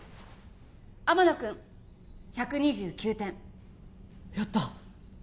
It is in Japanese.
天野君１２９点やった！